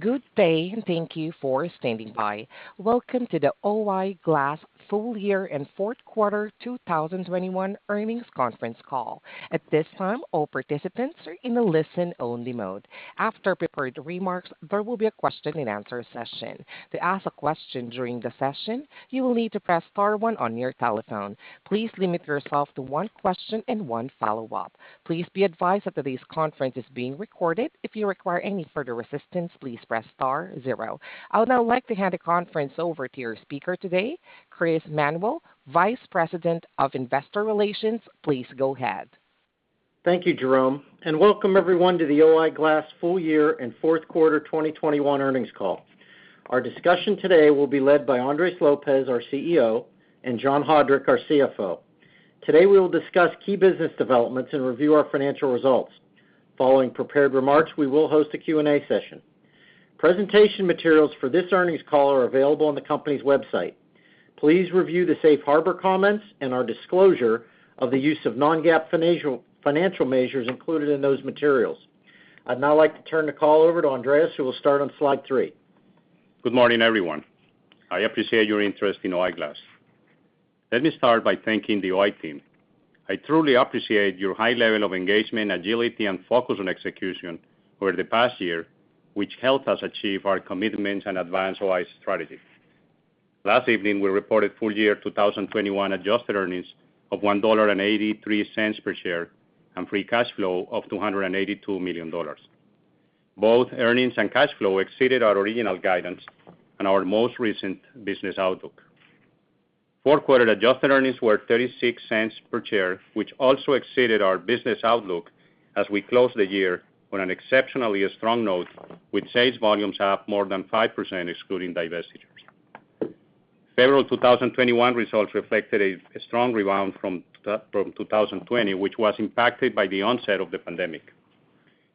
Good day, and thank you for standing by. Welcome to the O-I Glass full year and fourth quarter 2021 earnings conference call. At this time, all participants are in a listen-only mode. After prepared remarks, there will be a question-and-answer session. To ask a question during the session, you will need to press star one on your telephone. Please limit yourself to one question and one follow-up. Please be advised that today's conference is being recorded. If you require any further assistance, please press star zero. I would now like to hand the conference over to your speaker today, Chris Manuel, Vice President of Investor Relations. Please go ahead. Thank you, Jerome, and welcome everyone to the O-I Glass full year and fourth quarter 2021 earnings call. Our discussion today will be led by Andres Lopez, our CEO, and John Haudrich, our CFO. Today, we will discuss key business developments and review our financial results. Following prepared remarks, we will host a Q&A session. Presentation materials for this earnings call are available on the company's website. Please review the Safe Harbor comments and our disclosure of the use of non-GAAP financial measures included in those materials. I'd now like to turn the call over to Andres, who will start on slide three. Good morning, everyone. I appreciate your interest in O-I Glass. Let me start by thanking the O-I team. I truly appreciate your high level of engagement, agility, and focus on execution over the past year, which helped us achieve our commitments and advance O-I's strategy. Last evening, we reported full-year 2021 adjusted earnings of $1.83 per share and free cash flow of $282 million. Both earnings and cash flow exceeded our original guidance and our most recent business outlook. Fourth quarter adjusted earnings were $0.36 per share, which also exceeded our business outlook as we close the year on an exceptionally strong note with sales volumes up more than 5% excluding divestitures. February 2021 results reflected a strong rebound from 2020, which was impacted by the onset of the pandemic.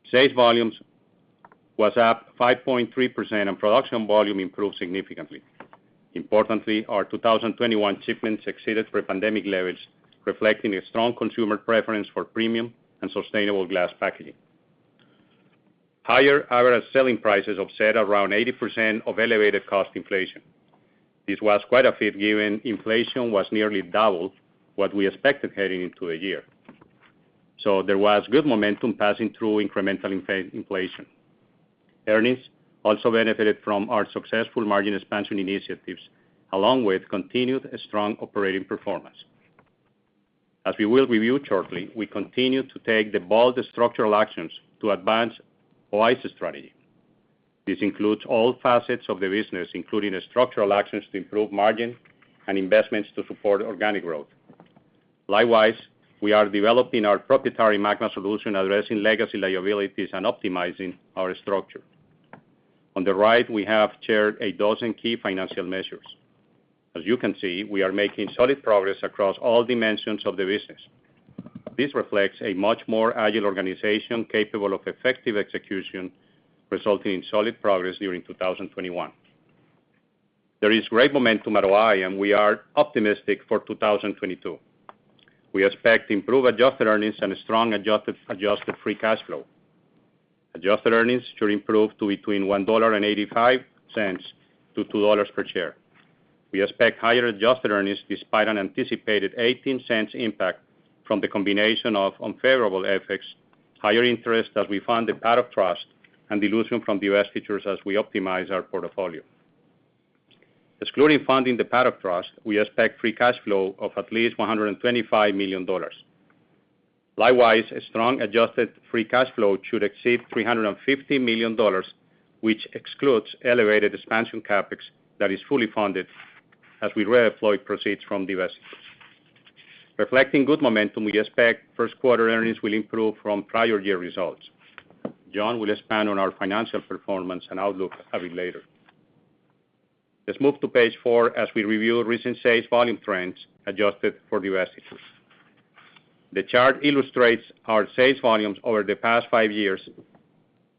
Sales volumes was up 5.3%, and production volume improved significantly. Importantly, our 2021 shipments exceeded pre-pandemic levels, reflecting a strong consumer preference for premium and sustainable glass packaging. Higher average selling prices offset around 80% of elevated cost inflation. This was quite a feat, given inflation was nearly double what we expected heading into a year. There was good momentum passing through incremental inflation. Earnings also benefited from our successful margin expansion initiatives, along with continued strong operating performance. As we will review shortly, we continue to take the bold structural actions to advance O-I's strategy. This includes all facets of the business, including structural actions to improve margin and investments to support organic growth. Likewise, we are developing our proprietary MAGMA solution, addressing legacy liabilities and optimizing our structure. On the right, we have shared a dozen key financial measures. As you can see, we are making solid progress across all dimensions of the business. This reflects a much more agile organization capable of effective execution, resulting in solid progress during 2021. There is great momentum at O-I, and we are optimistic for 2022. We expect improved adjusted earnings and strong adjusted free cash flow. Adjusted earnings should improve to between $1.85-$2 per share. We expect higher adjusted earnings despite an anticipated $0.18 impact from the combination of unfavorable FX, higher interest as we fund the Paddock trust, and dilution from divestitures as we optimize our portfolio. Excluding funding the Paddock trust, we expect free cash flow of at least $125 million. Likewise, a strong adjusted free cash flow should exceed $350 million, which excludes elevated expansion CapEx that is fully funded as we redeploy proceeds from divestitures. Reflecting good momentum, we expect first quarter earnings will improve from prior year results. John will expand on our financial performance and outlook a bit later. Let's move to page four as we review recent sales volume trends adjusted for divestitures. The chart illustrates our sales volumes over the past five years,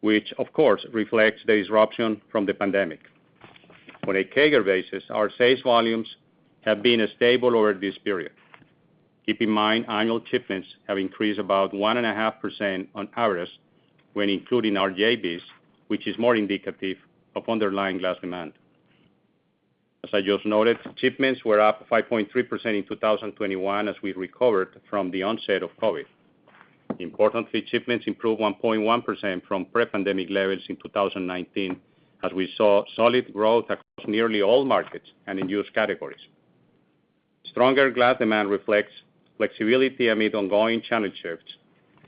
which of course reflects the disruption from the pandemic. On a CAGR basis, our sales volumes have been stable over this period. Keep in mind, annual shipments have increased about 1.5% on average when including our JVs, which is more indicative of underlying glass demand. As I just noted, shipments were up 5.3% in 2021 as we recovered from the onset of COVID. Importantly, shipments improved 1.1% from pre-pandemic levels in 2019 as we saw solid growth across nearly all markets and end-use categories. Stronger glass demand reflects flexibility amid ongoing channel shifts,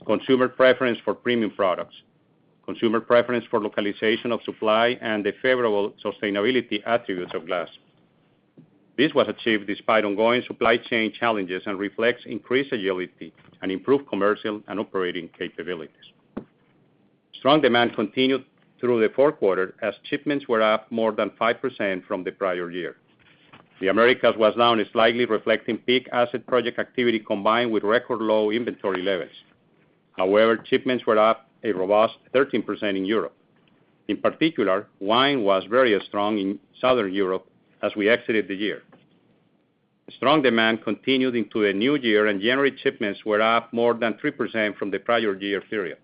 consumer preference for premium products, consumer preference for localization of supply, and the favorable sustainability attributes of glass. This was achieved despite ongoing supply chain challenges and reflects increased agility and improved commercial and operating capabilities. Strong demand continued through the fourth quarter as shipments were up more than 5% from the prior year. The Americas was down slightly, reflecting peak asset project activity combined with record low inventory levels. However, shipments were up a robust 13% in Europe. In particular, wine was very strong in Southern Europe as we exited the year. Strong demand continued into the new year, and January shipments were up more than 3% from the prior year period.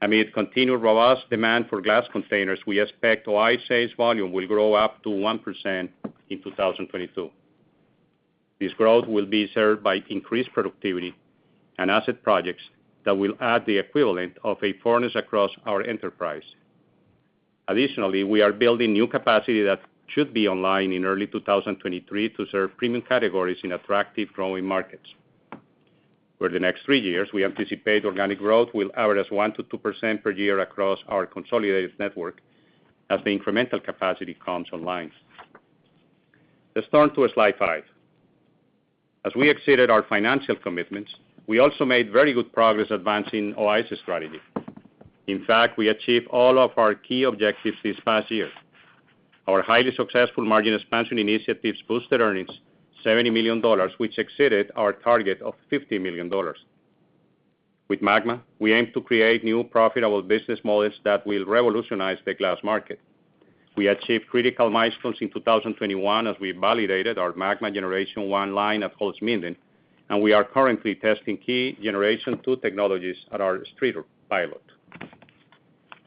Amid continued robust demand for glass containers, we expect O-I sales volume will grow up to 1% in 2022. This growth will be served by increased productivity and asset projects that will add the equivalent of a furnace across our enterprise. Additionally, we are building new capacity that should be online in early 2023 to serve premium categories in attractive growing markets. For the next three years, we anticipate organic growth will average 1%-2% per year across our consolidated network as the incremental capacity comes online. Let's turn to slide five. As we exceeded our financial commitments, we also made very good progress advancing O-I's strategy. In fact, we achieved all of our key objectives this past year. Our highly successful margin expansion initiatives boosted earnings $70 million, which exceeded our target of $50 million. With MAGMA, we aim to create new profitable business models that will revolutionize the glass market. We achieved critical milestones in 2021 as we validated our MAGMA Generation 1 line at Holzminden, and we are currently testing key Generation 2 technologies at our Streator pilot.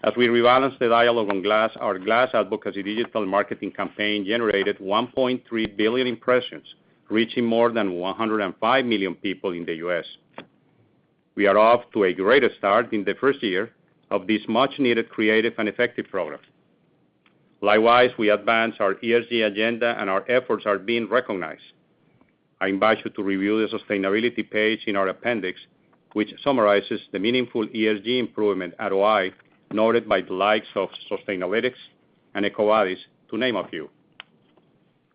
As we rebalance the dialogue on glass, our glass advocacy digital marketing campaign generated 1.3 billion impressions, reaching more than 105 million people in the U.S. We are off to a greater start in the first year of this much-needed creative and effective program. Likewise, we advanced our ESG agenda, and our efforts are being recognized. I invite you to review the sustainability page in our appendix, which summarizes the meaningful ESG improvement at O-I, noted by the likes of Sustainalytics and EcoVadis, to name a few.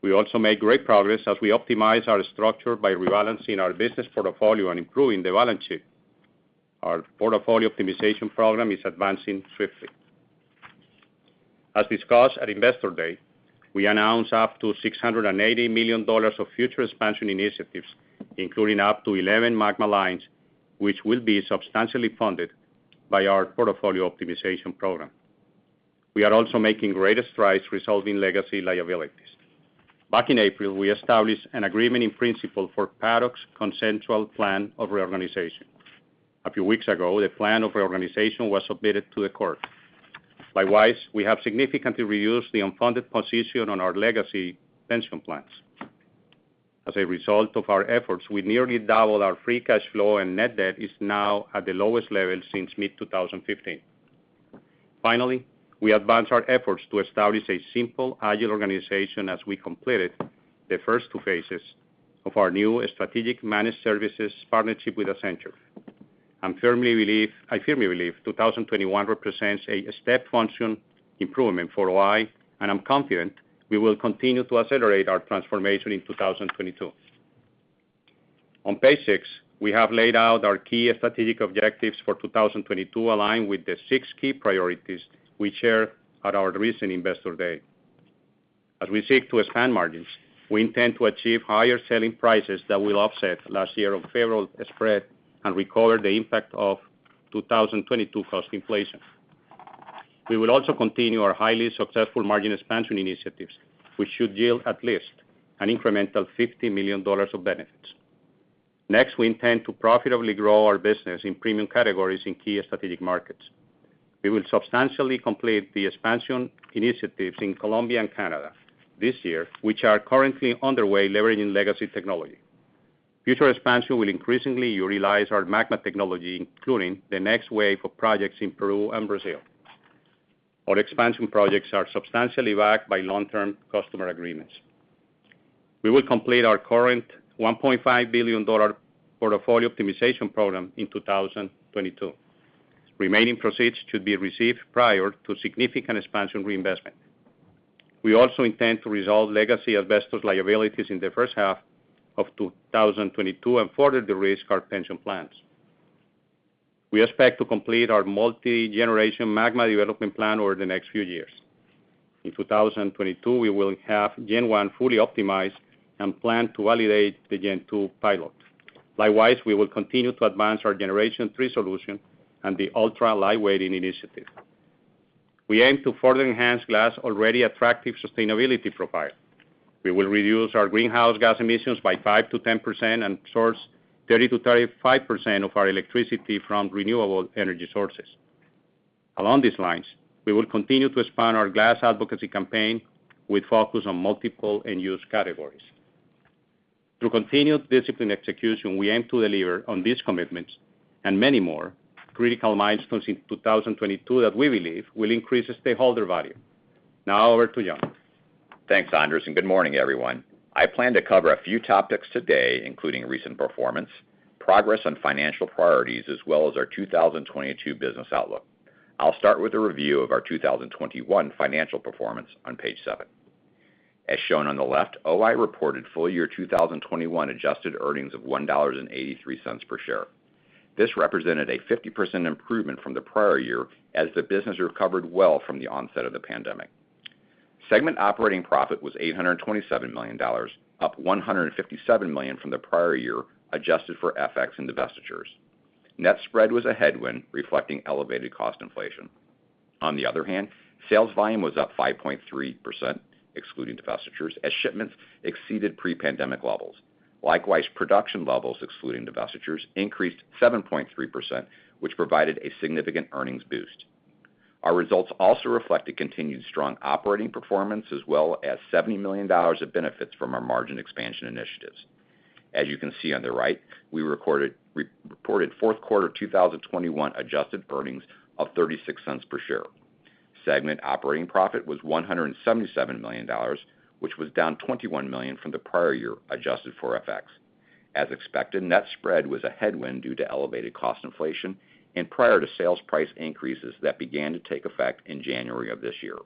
We also made great progress as we optimized our structure by rebalancing our business portfolio and improving the balance sheet. Our portfolio optimization program is advancing swiftly. As discussed at Investor Day, we announced up to $680 million of future expansion initiatives, including up to 11 MAGMA lines, which will be substantially funded by our portfolio optimization program. We are also making greater strides resolving legacy liabilities. Back in April, we established an agreement in principle for Paddock's consensual plan of reorganization. A few weeks ago, the plan of reorganization was submitted to the court. Likewise, we have significantly reduced the unfunded position on our legacy pension plans. As a result of our efforts, we nearly doubled our free cash flow, and net debt is now at the lowest level since mid-2015. Finally, we advanced our efforts to establish a simple, agile organization as we completed the first two phases of our new strategic managed services partnership with Accenture. I firmly believe 2021 represents a step function improvement for O-I, and I'm confident we will continue to accelerate our transformation in 2022. On page six, we have laid out our key strategic objectives for 2022, aligned with the six key priorities we shared at our recent Investor Day. As we seek to expand margins, we intend to achieve higher selling prices that will offset last year's unfavorable spread and recover the impact of 2022 cost inflation. We will also continue our highly successful margin expansion initiatives, which should yield at least an incremental $50 million of benefits. Next, we intend to profitably grow our business in premium categories in key strategic markets. We will substantially complete the expansion initiatives in Colombia and Canada this year, which are currently underway leveraging legacy technology. Future expansion will increasingly utilize our MAGMA technology, including the next wave of projects in Peru and Brazil. Our expansion projects are substantially backed by long-term customer agreements. We will complete our current $1.5 billion portfolio optimization program in 2022. Remaining proceeds should be received prior to significant expansion reinvestment. We also intend to resolve Legacy Asbestos liabilities in the first half of 2022 and further de-risk our pension plans. We expect to complete our multi-generation MAGMA development plan over the next few years. In 2022, we will have Gen 1 fully optimized and plan to validate the Gen 2 pilot. Likewise, we will continue to advance our Gen 3 solution and the ultra-lightweighting initiative. We aim to further enhance glass' already attractive sustainability profile. We will reduce our greenhouse gas emissions by 5%-10% and source 30%-35% of our electricity from renewable energy sources. Along these lines, we will continue to expand our glass advocacy campaign with focus on multiple end use categories. Through continued disciplined execution, we aim to deliver on these commitments and many more critical milestones in 2022 that we believe will increase stakeholder value. Now over to John. Thanks, Andres, and good morning, everyone. I plan to cover a few topics today, including recent performance, progress on financial priorities, as well as our 2022 business outlook. I'll start with a review of our 2021 financial performance on page seven. As shown on the left, O-I reported full year 2021 adjusted earnings of $1.83 per share. This represented a 50% improvement from the prior year as the business recovered well from the onset of the pandemic. Segment operating profit was $827 million, up $157 million from the prior year, adjusted for FX and divestitures. Net spread was a headwind, reflecting elevated cost inflation. On the other hand, sales volume was up 5.3%, excluding divestitures, as shipments exceeded pre-pandemic levels. Likewise, production levels, excluding divestitures, increased 7.3%, which provided a significant earnings boost. Our results also reflect a continued strong operating performance as well as $70 million of benefits from our margin expansion initiatives. As you can see on the right, we reported fourth quarter 2021 adjusted earnings of $0.36 per share. Segment operating profit was $177 million, which was down $21 million from the prior year, adjusted for FX. As expected, net spread was a headwind due to elevated cost inflation and prior to sales price increases that began to take effect in January of this year.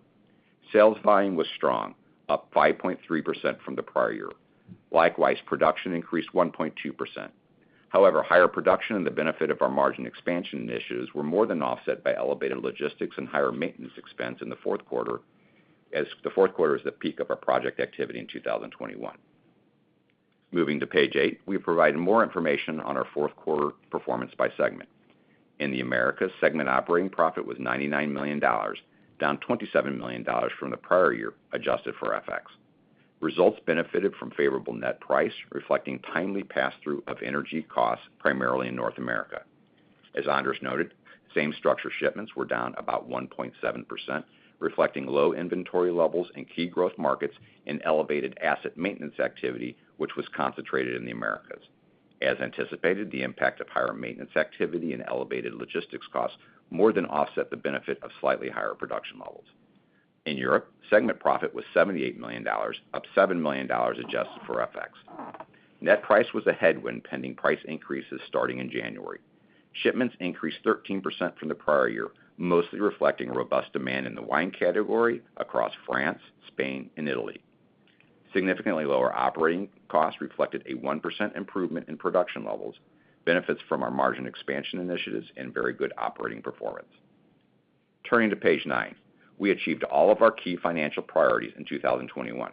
Sales volume was strong, up 5.3% from the prior year. Likewise, production increased 1.2%. However, higher production and the benefit of our margin expansion initiatives were more than offset by elevated logistics and higher maintenance expense in the fourth quarter as the fourth quarter is the peak of our project activity in 2021. Moving to page eight, we provide more information on our fourth quarter performance by segment. In the Americas, segment operating profit was $99 million, down $27 million from the prior year, adjusted for FX. Results benefited from favorable net price, reflecting timely pass-through of energy costs, primarily in North America. As Andres noted, same-structure shipments were down about 1.7%, reflecting low inventory levels in key growth markets and elevated asset maintenance activity, which was concentrated in the Americas. As anticipated, the impact of higher maintenance activity and elevated logistics costs more than offset the benefit of slightly higher production levels. In Europe, segment profit was $78 million, up $7 million, adjusted for FX. Net price was a headwind pending price increases starting in January. Shipments increased 13% from the prior year, mostly reflecting robust demand in the wine category across France, Spain, and Italy. Significantly lower operating costs reflected a 1% improvement in production levels, benefits from our margin expansion initiatives, and very good operating performance. Turning to page nine. We achieved all of our key financial priorities in 2021.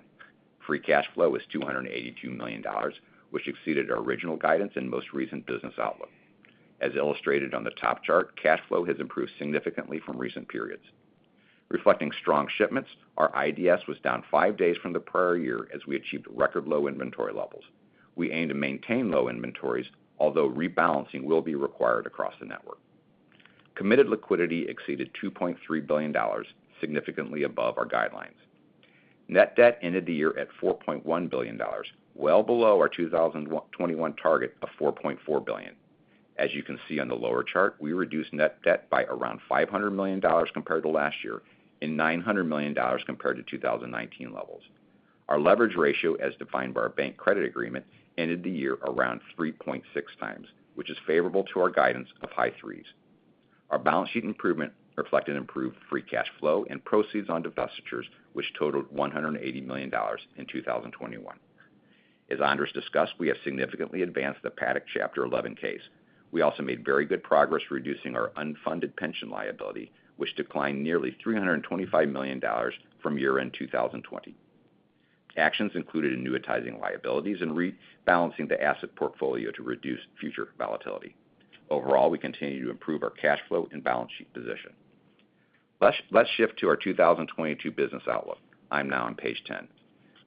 Free cash flow was $282 million, which exceeded our original guidance and most recent business outlook. As illustrated on the top chart, cash flow has improved significantly from recent periods. Reflecting strong shipments, our IDS was down five days from the prior year as we achieved record low inventory levels. We aim to maintain low inventories, although rebalancing will be required across the network. Committed liquidity exceeded $2.3 billion, significantly above our guidelines. Net debt ended the year at $4.1 billion, well below our 2021 target of $4.4 billion. As you can see on the lower chart, we reduced net debt by around $500 million compared to last year and $900 million compared to 2019 levels. Our leverage ratio, as defined by our bank credit agreement, ended the year around 3.6x, which is favorable to our guidance of high threes. Our balance sheet improvement reflected improved free cash flow and proceeds on divestitures, which totaled $180 million in 2021. As Andres discussed, we have significantly advanced the Paddock Chapter 11 case. We also made very good progress reducing our unfunded pension liability, which declined nearly $325 million from year-end 2020. Actions included annuitizing liabilities and rebalancing the asset portfolio to reduce future volatility. Overall, we continue to improve our cash flow and balance sheet position. Let's shift to our 2022 business outlook. I'm now on page 10.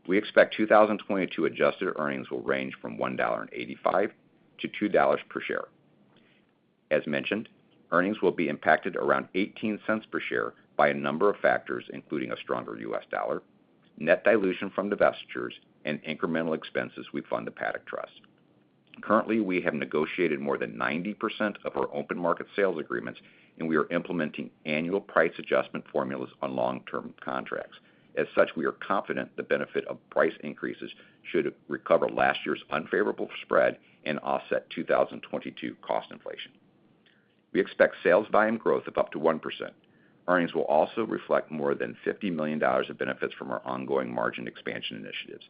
We expect 2022 adjusted earnings will range from $1.85-$2 per share. As mentioned, earnings will be impacted around $0.18 per share by a number of factors, including a stronger US dollar, net dilution from divestitures, and incremental expenses we fund the Paddock trust. Currently, we have negotiated more than 90% of our open market sales agreements, and we are implementing annual price adjustment formulas on long-term contracts. As such, we are confident the benefit of price increases should recover last year's unfavorable spread and offset 2022 cost inflation. We expect sales volume growth of up to 1%. Earnings will also reflect more than $50 million of benefits from our ongoing margin expansion initiatives.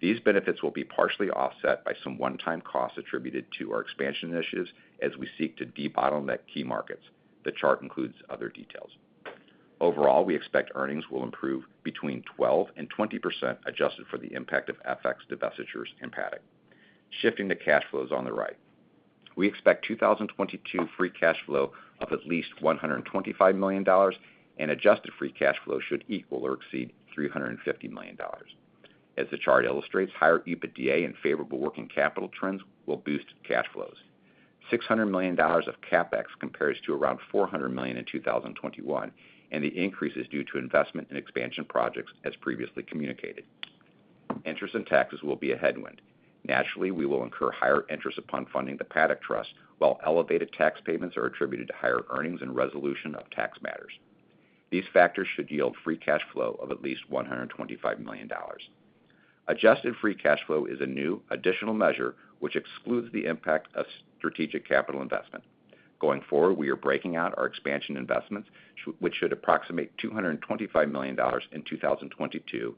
These benefits will be partially offset by some one-time costs attributed to our expansion initiatives as we seek to debottleneck key markets. The chart includes other details. Overall, we expect earnings will improve between 12% and 20%, adjusted for the impact of FX divestitures in Paddock. Shifting to cash flows on the right. We expect 2022 free cash flow of at least $125 million and adjusted free cash flow should equal or exceed $350 million. As the chart illustrates, higher EBITDA and favorable working capital trends will boost cash flows. $600 million of CapEx compares to around $400 million in 2021, and the increase is due to investment in expansion projects, as previously communicated. Interest and taxes will be a headwind. Naturally, we will incur higher interest upon funding the Paddock trust, while elevated tax payments are attributed to higher earnings and resolution of tax matters. These factors should yield free cash flow of at least $125 million. Adjusted free cash flow is a new additional measure, which excludes the impact of strategic capital investment. Going forward, we are breaking out our expansion investments, which should approximate $225 million in 2022,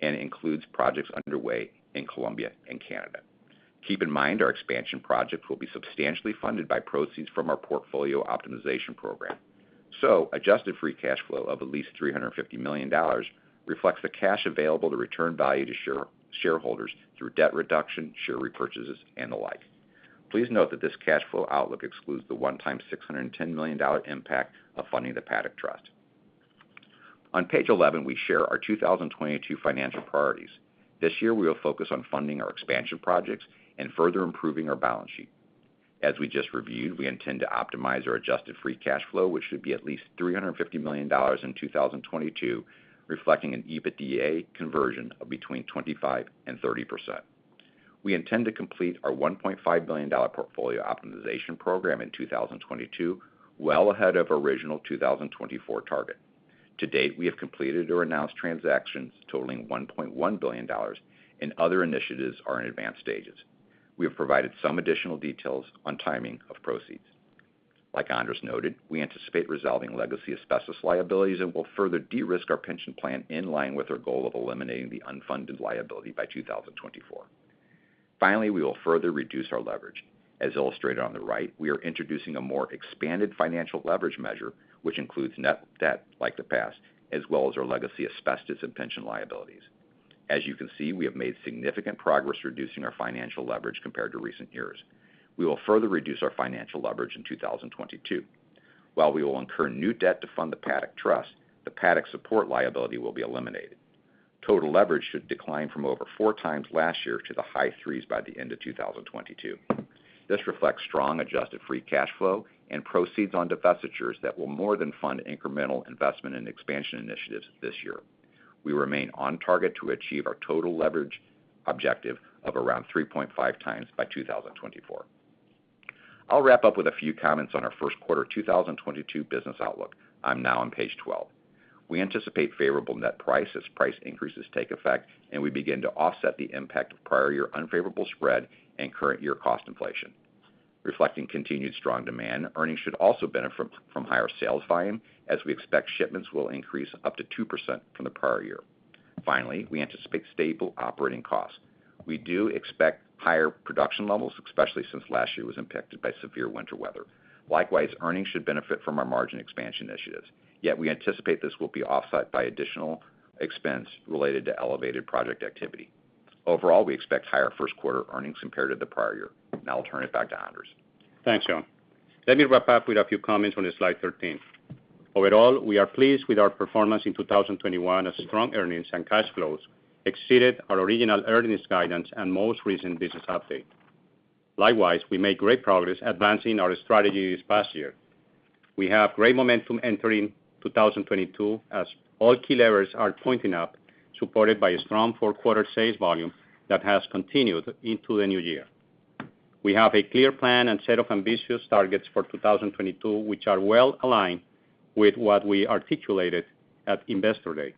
and includes projects underway in Colombia and Canada. Keep in mind our expansion projects will be substantially funded by proceeds from our portfolio optimization program. Adjusted free cash flow of at least $350 million reflects the cash available to return value to shareholders through debt reduction, share repurchases, and the like. Please note that this cash flow outlook excludes the one-time $610 million impact of funding the Paddock trust. On page 11, we share our 2022 financial priorities. This year, we will focus on funding our expansion projects and further improving our balance sheet. As we just reviewed, we intend to optimize our adjusted free cash flow, which should be at least $350 million in 2022, reflecting an EBITDA conversion of between 25% and 30%. We intend to complete our $1.5 billion portfolio optimization program in 2022, well ahead of original 2024 target. To-date, we have completed or announced transactions totaling $1.1 billion, and other initiatives are in advanced stages. We have provided some additional details on timing of proceeds. Like Andres noted, we anticipate resolving Legacy Asbestos liabilities, and we'll further de-risk our pension plan in line with our goal of eliminating the unfunded liability by 2024. Finally, we will further reduce our leverage. As illustrated on the right, we are introducing a more expanded financial leverage measure, which includes net debt like the past, as well as our Legacy Asbestos and pension liabilities. As you can see, we have made significant progress reducing our financial leverage compared to recent years. We will further reduce our financial leverage in 2022. While we will incur new debt to fund the Paddock trust, the Paddock support liability will be eliminated. Total leverage should decline from over 4x last year to the high 3s by the end of 2022. This reflects strong adjusted free cash flow and proceeds on divestitures that will more than fund incremental investment and expansion initiatives this year. We remain on target to achieve our total leverage objective of around 3.5x by 2024. I'll wrap up with a few comments on our first quarter 2022 business outlook. I'm now on page 12. We anticipate favorable net price as price increases take effect, and we begin to offset the impact of prior year unfavorable spread and current year cost inflation. Reflecting continued strong demand, earnings should also benefit from higher sales volume, as we expect shipments will increase up to 2% from the prior year. Finally, we anticipate stable operating costs. We do expect higher production levels, especially since last year was impacted by severe winter weather. Likewise, earnings should benefit from our margin expansion initiatives. Yet we anticipate this will be offset by additional expense related to elevated project activity. Overall, we expect higher first-quarter earnings compared to the prior year. Now I'll turn it back to Andres. Thanks, John. Let me wrap up with a few comments on slide 13. Overall, we are pleased with our performance in 2021 as strong earnings and cash flows exceeded our original earnings guidance and most recent business update. Likewise, we made great progress advancing our strategy this past year. We have great momentum entering 2022 as all key levers are pointing up, supported by a strong fourth quarter sales volume that has continued into the new year. We have a clear plan and set of ambitious targets for 2022, which are well aligned with what we articulated at Investor Day.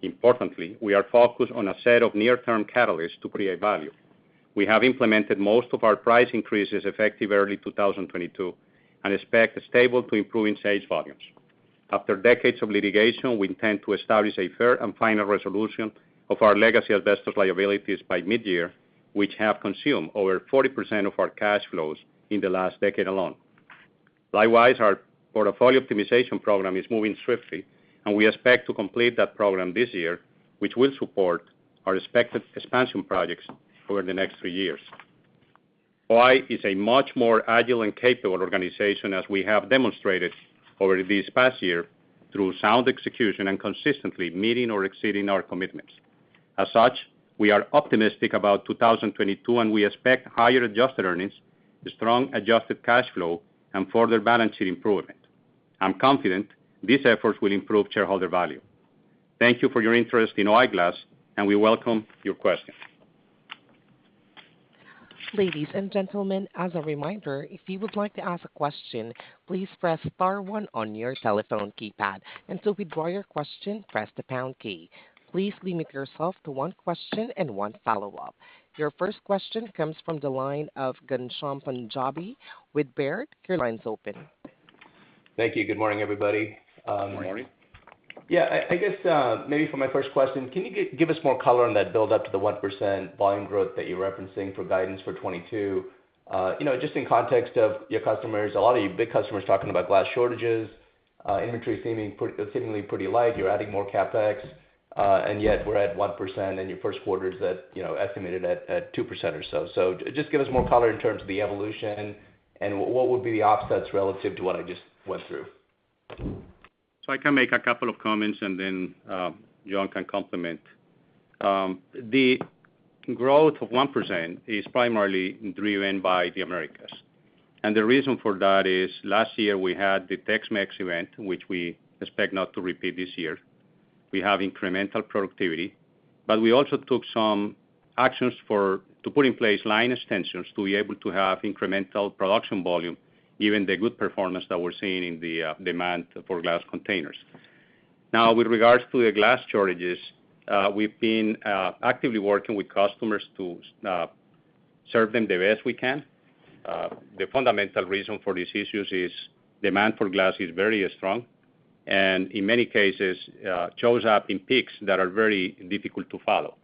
Importantly, we are focused on a set of near-term catalysts to create value. We have implemented most of our price increases effective early 2022 and expect stable to improving sales volumes. After decades of litigation, we intend to establish a fair and final resolution of our Legacy Asbestos liabilities by mid-year, which have consumed over 40% of our cash flows in the last decade alone. Likewise, our portfolio optimization program is moving swiftly, and we expect to complete that program this year, which will support our expected expansion projects over the next three years. O-I is a much more agile and capable organization, as we have demonstrated over this past year through sound execution and consistently meeting or exceeding our commitments. As such, we are optimistic about 2022, and we expect higher adjusted earnings, strong adjusted cash flow, and further balance sheet improvement. I'm confident these efforts will improve shareholder value. Thank you for your interest in O-I Glass, and we welcome your questions. Ladies and gentlemen, as a reminder, if you would like to ask a question, please press star one on your telephone keypad. To withdraw your question, press the pound key. Please limit yourself to one question and one follow-up. Your first question comes from the line of Ghansham Panjabi with Baird. Your line's open. Thank you. Good morning, everybody. Good morning. I guess maybe for my first question, can you give us more color on that build up to the 1% volume growth that you're referencing for guidance for 2022? You know, just in context of your customers, a lot of your big customers talking about glass shortages, inventory seemingly pretty light. You're adding more CapEx, and yet we're at 1%, and your first quarter is at, you know, estimated at 2% or so. Just give us more color in terms of the evolution and what would be the offsets relative to what I just went through. I can make a couple of comments and then John can comment. The growth of 1% is primarily driven by the Americas. The reason for that is last year we had the Texas winter storm, which we expect not to repeat this year. We have incremental productivity, but we also took some actions to put in place line extensions to be able to have incremental production volume, given the good performance that we're seeing in the demand for glass containers. Now, with regards to the glass shortages, we've been actively working with customers to serve them the best we can. The fundamental reason for these issues is demand for glass is very strong, and in many cases shows up in peaks that are very difficult to follow.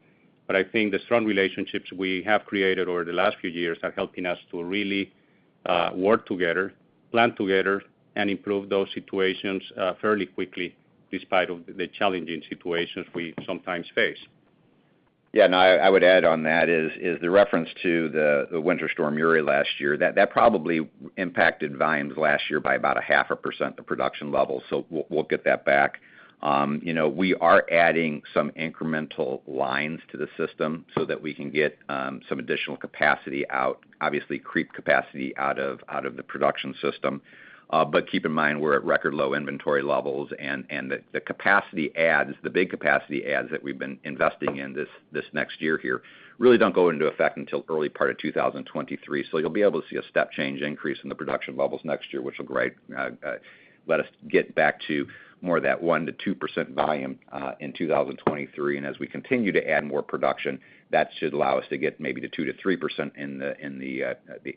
I think the strong relationships we have created over the last few years are helping us to really work together, plan together, and improve those situations fairly quickly despite of the challenging situations we sometimes face. Yeah, no, I would add on that is the reference to the Winter Storm Uri last year, that probably impacted volumes last year by about 0.5% the production level. We'll get that back. You know, we are adding some incremental lines to the system so that we can get some additional capacity out, obviously creep capacity out of the production system. But keep in mind, we're at record low inventory levels, and the big capacity adds that we've been investing in this next year here really don't go into effect until early 2023. You'll be able to see a step change increase in the production levels next year, which will let us get back to more of that 1%-2% volume in 2023. As we continue to add more production, that should allow us to get maybe to 2%-3% in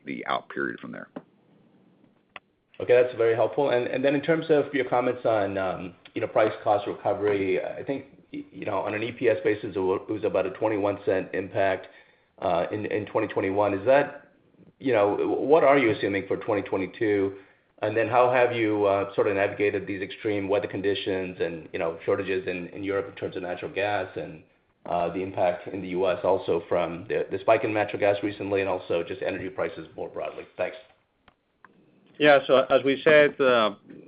the out period from there. Okay, that's very helpful. In terms of your comments on you know price cost recovery, I think you know on an EPS basis it was about a $0.21 impact in 2021. You know what are you assuming for 2022? How have you sort of navigated these extreme weather conditions and you know shortages in Europe in terms of natural gas and the impact in the U.S. also from the spike in natural gas recently and also just energy prices more broadly? Thanks. Yeah. As we said,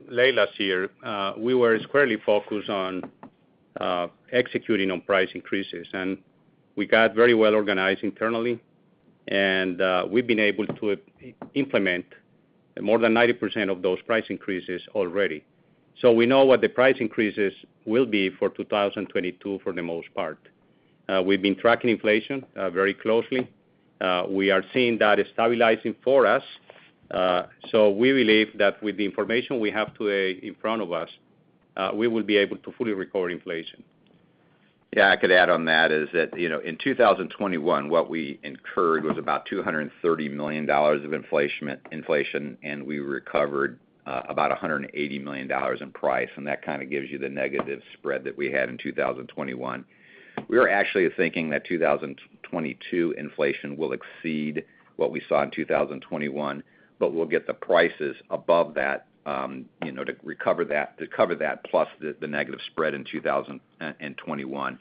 late last year, we were squarely focused on executing on price increases. We got very well organized internally, and we've been able to implement more than 90% of those price increases already. We know what the price increases will be for 2022 for the most part. We've been tracking inflation very closely. We believe that with the information we have today in front of us, we will be able to fully recover inflation. Yeah, I could add on that, you know, in 2021, what we incurred was about $230 million of net inflation, and we recovered about $180 million in price, and that kind of gives you the negative spread that we had in 2021. We are actually thinking that 2022 inflation will exceed what we saw in 2021, but we'll get the prices above that, you know, to recover that, to cover that, plus the negative spread in 2021.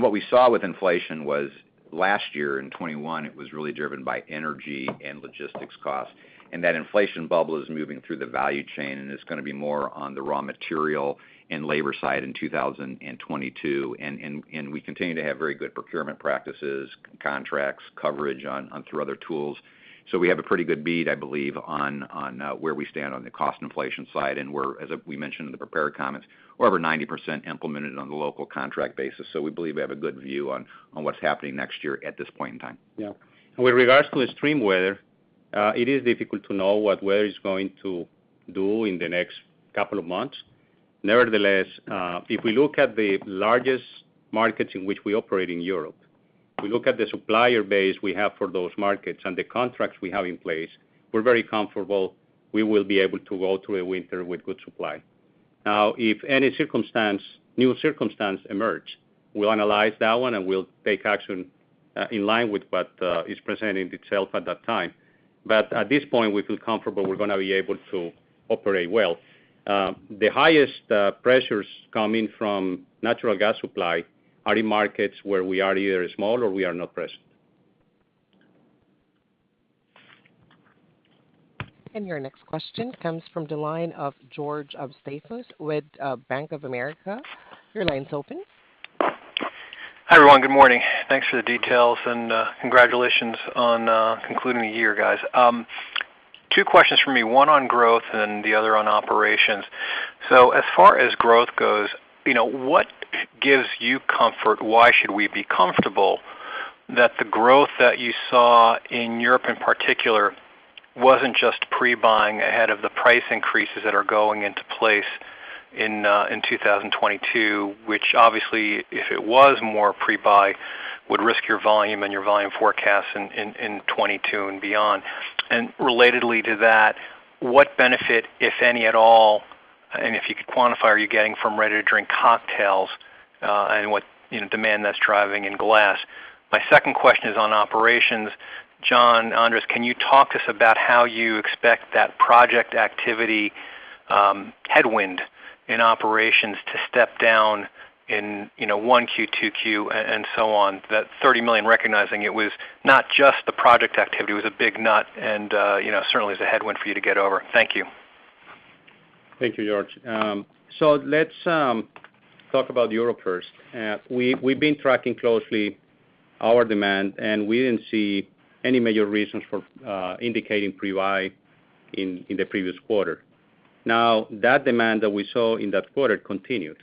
What we saw with inflation was last year in 2021, it was really driven by energy and logistics costs, and that inflation bubble is moving through the value chain, and it's gonna be more on the raw material and labor side in 2022. We continue to have very good procurement practices, contracts, coverage on through other tools. We have a pretty good bead, I believe, on where we stand on the cost inflation side. As we mentioned in the prepared comments, we're over 90% implemented on the local contract basis. We believe we have a good view on what's happening next year at this point in time. With regards to extreme weather, it is difficult to know what weather is going to do in the next couple of months. Nevertheless, if we look at the largest markets in which we operate in Europe, if we look at the supplier base we have for those markets and the contracts we have in place, we're very comfortable we will be able to go through a winter with good supply. Now, if any new circumstance emerge, we'll analyze that one, and we'll take action in line with what is presenting itself at that time. At this point, we feel comfortable we're gonna be able to operate well. The highest pressures coming from natural gas supply are in markets where we are either small or we are not present. Your next question comes from the line of George Staphos with Bank of America. Your line's open. Hi, everyone. Good morning. Thanks for the details, and congratulations on concluding the year, guys. Two questions from me, one on growth and the other on operations. As far as growth goes, you know, what gives you comfort, why should we be comfortable that the growth that you saw in Europe in particular wasn't just pre-buying ahead of the price increases that are going into place in 2022, which obviously, if it was more pre-buy, would risk your volume and your volume forecast in 2022 and beyond? Relatedly to that, what benefit, if any at all, and if you could quantify, are you getting from ready-to-drink cocktails, and what, you know, demand that's driving in glass? My second question is on operations. John, Andres, can you talk to us about how you expect that project activity headwind in operations to step down in 1Q, 2Q, and so on? That $30 million, recognizing it was not just the project activity, it was a big nut and you know certainly is a headwind for you to get over. Thank you. Thank you, George. Let's talk about Europe first. We've been tracking closely our demand, and we didn't see any major reasons for indicating pre-buy in the previous quarter. Now, that demand that we saw in that quarter continued,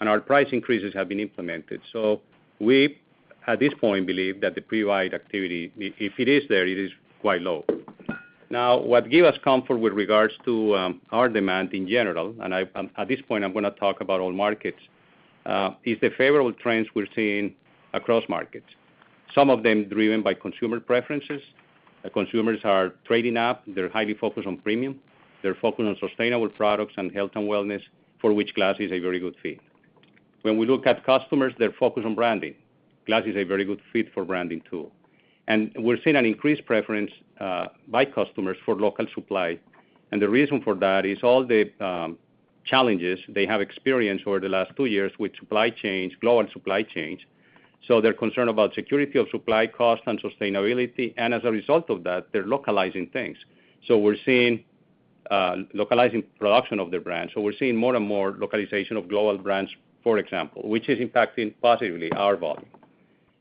and our price increases have been implemented. We, at this point, believe that the pre-buy activity, if it is there, it is quite low. Now, what gives us comfort with regards to our demand in general, at this point, I'm gonna talk about all markets, is the favorable trends we're seeing across markets, some of them driven by consumer preferences. Consumers are trading up. They're highly focused on premium. They're focused on sustainable products and health and wellness, for which glass is a very good fit. When we look at customers, they're focused on branding. Glass is a very good fit for branding too. We're seeing an increased preference by customers for local supply. The reason for that is all the challenges they have experienced over the last two years with supply chains, global supply chains. They're concerned about security of supply, costs and sustainability, and as a result of that, they're localizing things. We're seeing localizing production of their brands. We're seeing more and more localization of global brands, for example, which is impacting positively our volume.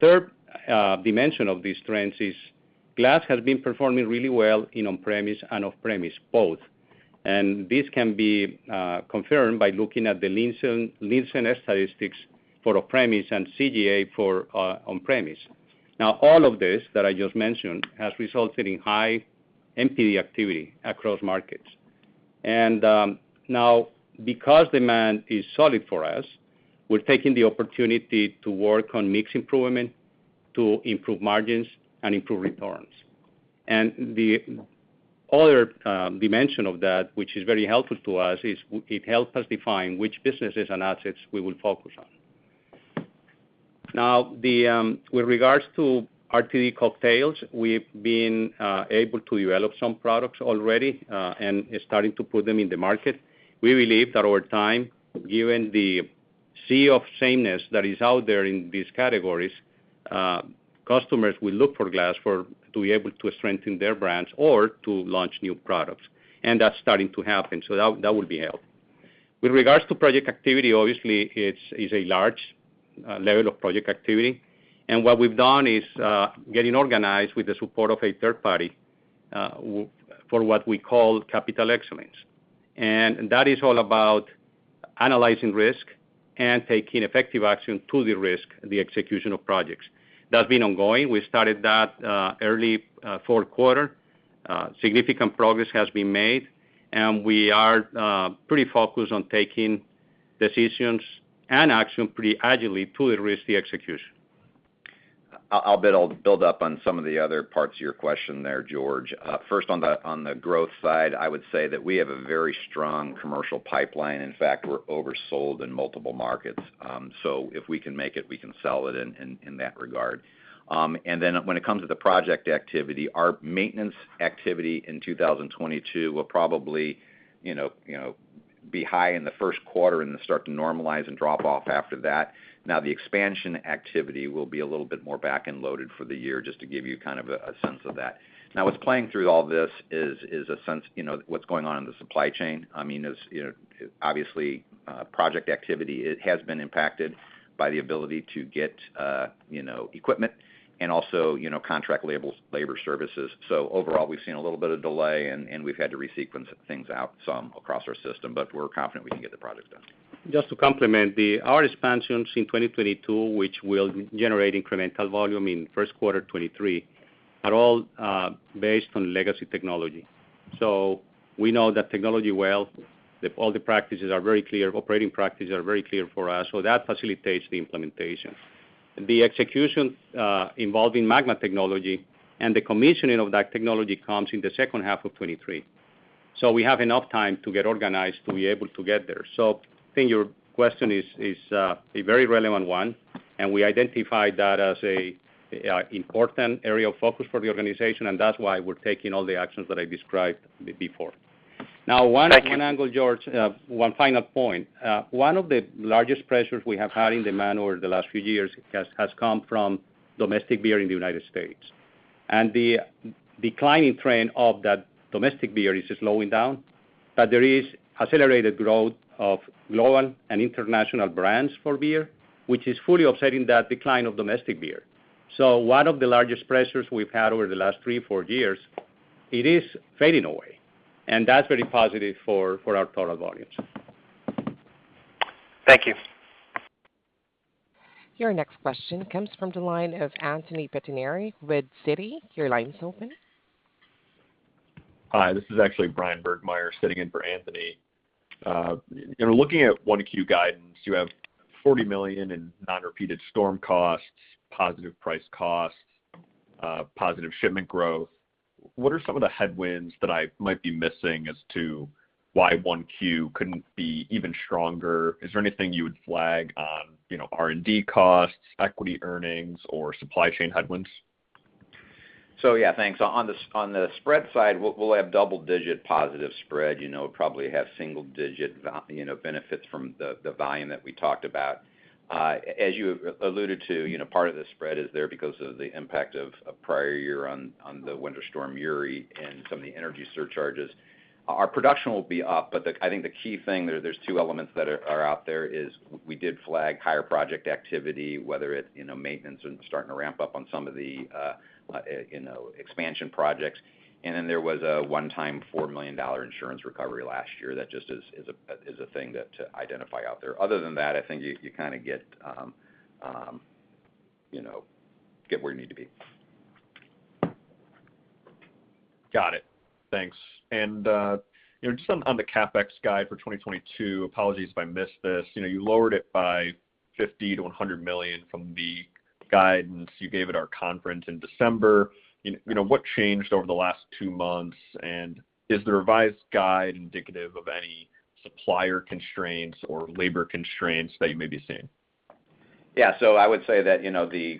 Third dimension of these trends is glass has been performing really well in on-premise and off-premise both. This can be confirmed by looking at the Nielsen statistics for off-premise and CGA for on-premise. Now, all of this that I just mentioned has resulted in high NPD activity across markets. Now, because demand is solid for us, we're taking the opportunity to work on mix improvement to improve margins and improve returns. The other dimension of that, which is very helpful to us, is it helps us define which businesses and assets we will focus on. Now, with regards to RTD cocktails, we've been able to develop some products already and are starting to put them in the market. We believe that over time, given the sea of sameness that is out there in these categories, customers will look for glass to be able to strengthen their brands or to launch new products. That's starting to happen, so that will be a help. With regards to project activity, obviously, it's a large level of project activity. What we've done is getting organized with the support of a third party for what we call capital excellence. That is all about analyzing risk and taking effective action to derisk the execution of projects. That's been ongoing. We started that early fourth quarter. Significant progress has been made, and we are pretty focused on taking decisions and action pretty agilely to derisk the execution. I'll build up on some of the other parts of your question there, George. First on the growth side, I would say that we have a very strong commercial pipeline. In fact, we're oversold in multiple markets. So if we can make it, we can sell it in that regard. And then when it comes to the project activity, our maintenance activity in 2022 will probably, you know, be high in the first quarter and then start to normalize and drop off after that. Now, the expansion activity will be a little bit more back-end loaded for the year, just to give you kind of a sense of that. Now what's playing through all this is a sense, you know, what's going on in the supply chain. I mean, as you know, obviously, project activity has been impacted by the ability to get equipment and also contract labor services. Overall, we've seen a little bit of delay and we've had to resequence things out some across our system, but we're confident we can get the project done. Just to complement our expansions in 2022, which will generate incremental volume in first quarter 2023, are all based on legacy technology. We know the technology well. All the practices are very clear, operating practices are very clear for us, so that facilitates the implementation. The execution involving MAGMA technology and the commissioning of that technology comes in the second half of 2023. We have enough time to get organized to be able to get there. I think your question is a very relevant one, and we identified that as a important area of focus for the organization, and that's why we're taking all the actions that I described before. Thank you. Now, one angle, George, one final point. One of the largest pressures we have had in demand over the last few years has come from domestic beer in the United States. The declining trend of that domestic beer is slowing down, but there is accelerated growth of global and international brands for beer, which is fully offsetting that decline of domestic beer. One of the largest pressures we've had over the last three to four years, it is fading away. That's very positive for our total volumes. Thank you. Your next question comes from the line of Anthony Pettinari with Citi. Your line's open. Hi, this is actually Bryan Burgmeier sitting in for Anthony. You know, looking at 1Q guidance, you have $40 million in non-repeated storm costs, positive price costs, positive shipment growth. What are some of the headwinds that I might be missing as to why 1Q couldn't be even stronger? Is there anything you would flag on, you know, R&D costs, equity earnings, or supply chain headwinds? Yeah, thanks. On the spread side, we'll have double-digit positive spread, you know, probably have single digit benefits from the volume that we talked about. As you alluded to, you know, part of the spread is there because of the impact of a prior year on the Winter Storm Uri and some of the energy surcharges. Our production will be up. I think the key thing, there's two elements that are out there. We did flag higher project activity, whether it you know maintenance and starting to ramp up on some of the expansion projects. Then there was a one-time $4 million insurance recovery last year that just is a thing to identify out there. Other than that, I think you kind of get, you know, where you need to be. Got it. Thanks. You know, just on the CapEx guide for 2022, apologies if I missed this. You know, you lowered it by $50 million-$100 million from the guidance you gave at our conference in December. You know, what changed over the last two months, and is the revised guide indicative of any supplier constraints or labor constraints that you may be seeing? Yeah. I would say that, you know, the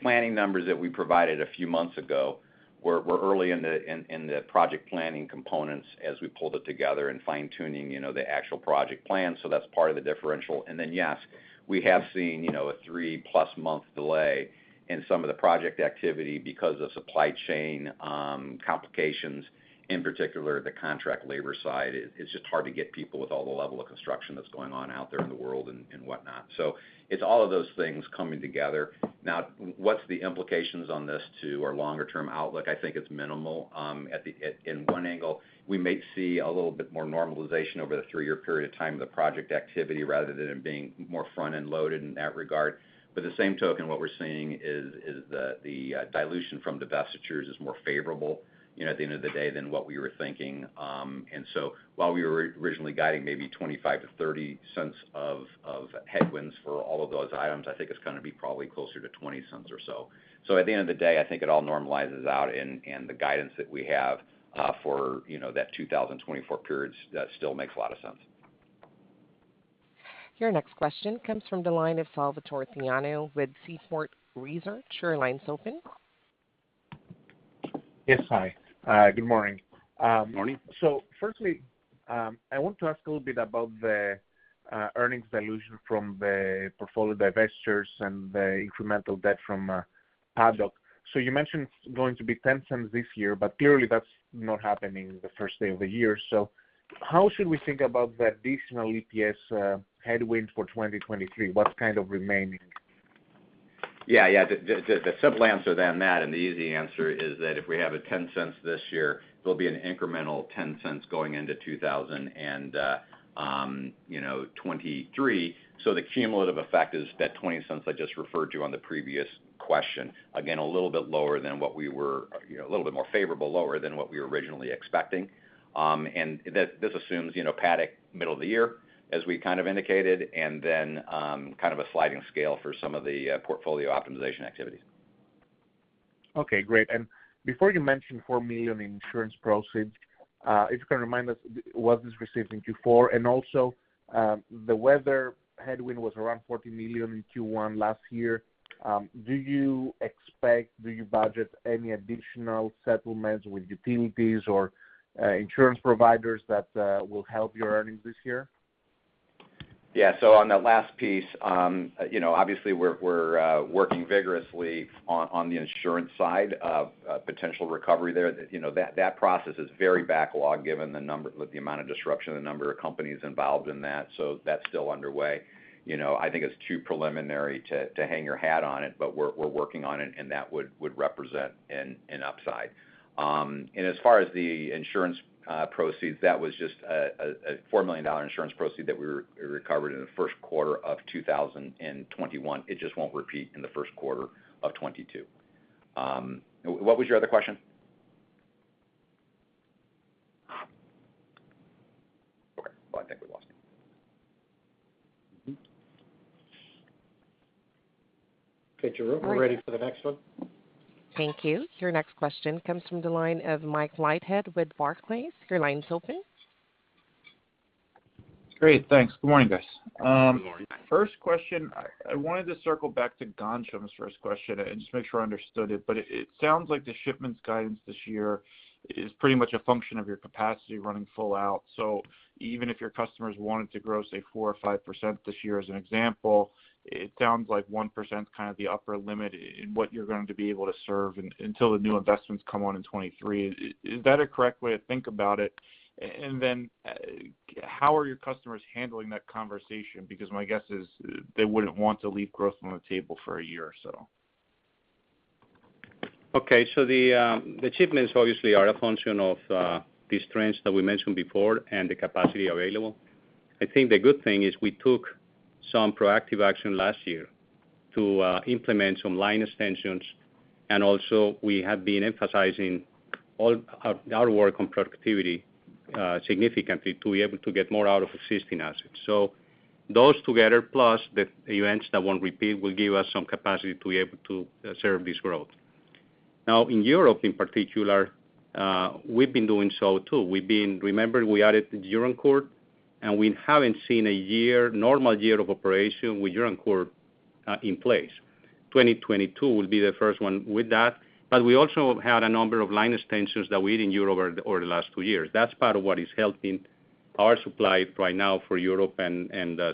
planning numbers that we provided a few months ago were early in the project planning components as we pulled it together and fine-tuning, you know, the actual project plan, so that's part of the differential. Yes, we have seen, you know, a three-plus month delay in some of the project activity because of supply chain complications, in particular the contract labor side. It's just hard to get people with all the level of construction that's going on out there in the world and whatnot. It's all of those things coming together. Now, what's the implications on this to our longer term outlook? I think it's minimal... In one angle, we may see a little bit more normalization over the three-year period of time of the project activity, rather than it being more front-end loaded in that regard. By the same token, what we're seeing is that the dilution from divestitures is more favorable, you know, at the end of the day than what we were thinking. While we were originally guiding maybe $0.25-$0.30 of headwinds for all of those items, I think it's gonna be probably closer to $0.20 or so. At the end of the day, I think it all normalizes out and the guidance that we have for you know that 2024 periods that still makes a lot of sense. Your next question comes from the line of Salvator Tiano with Seaport Research. Your line's open. Yes. Hi. Good morning. Morning. Firstly, I want to ask a little bit about the earnings dilution from the portfolio divestitures and the incremental debt from Paddock. You mentioned it's going to be $0.10 this year, but clearly that's not happening the first day of the year. How should we think about the additional EPS headwind for 2023? What's kind of remaining? Yeah. The simple answer to that, and the easy answer is that if we have $0.10 this year, there'll be an incremental $0.10 going into 2023. The cumulative effect is that $0.20 I just referred you on the previous question. Again, a little bit lower than what we were, a little bit more favorable lower than what we were originally expecting. This assumes Paddock middle of the year, as we kind of indicated, and then kind of a sliding scale for some of the portfolio optimization activities. Okay. Great. Before you mentioned $4 million insurance proceeds, if you can remind us, was this received in Q4? Also, the weather headwind was around $40 million in Q1 last year. Do you expect, do you budget any additional settlements with utilities or insurance providers that will help your earnings this year? Yeah. On that last piece, you know, obviously we're working vigorously on the insurance side of a potential recovery there. You know, that process is very backlogged given the amount of disruption, the number of companies involved in that. That's still underway. You know, I think it's too preliminary to hang your hat on it, but we're working on it, and that would represent an upside. As far as the insurance proceeds, that was just a $4 million insurance proceeds that we recovered in the first quarter of 2021. It just won't repeat in the first quarter of 2022. What was your other question? Okay. Well, I think we lost him. We're ready for the next one. Thank you. Your next question comes from the line of Mike Leithead with Barclays. Your line's open. Great. Thanks. Good morning, guys. Good morning. First question, I wanted to circle back to Ghansham's first question and just make sure I understood it. It sounds like the shipments guidance this year is pretty much a function of your capacity running full out. Even if your customers wanted to grow, say, 4% or 5% this year as an example, it sounds like 1%'s kind of the upper limit in what you're going to be able to serve until the new investments come on in 2023. Is that a correct way to think about it? Then, how are your customers handling that conversation? Because my guess is they wouldn't want to leave growth on the table for a year or so. Okay. The shipments obviously are a function of these trends that we mentioned before and the capacity available. I think the good thing is we took some proactive action last year to implement some line extensions, and also we have been emphasizing all our work on productivity significantly to be able to get more out of existing assets. Those together plus the events that won't repeat will give us some capacity to be able to serve this growth. Now, in Europe in particular, we've been doing so too. Remember we added Durancore, and we haven't seen a normal year of operation with Durancore in place. 2022 will be the first one with that. But we also had a number of line extensions that we did in Europe over the last two years. That's part of what is helping our supply right now for Europe and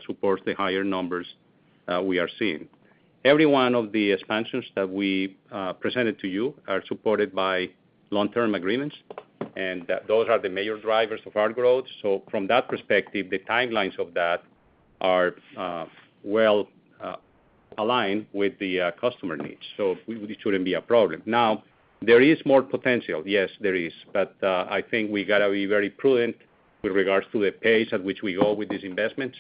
supports the higher numbers we are seeing. Every one of the expansions that we presented to you are supported by long-term agreements, and those are the major drivers of our growth. From that perspective, the timelines of that are well aligned with the customer needs. It shouldn't be a problem. Now, there is more potential. Yes, there is. I think we gotta be very prudent with regards to the pace at which we go with these investments,